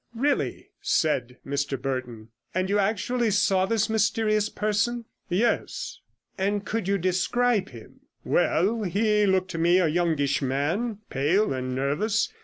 'Really,' said Mr Burton. 'And you actually saw this mysterious person?' 'Yes.' 86 'And could you describe him?' 'Well, he looked to me a youngish man, pale and nervous.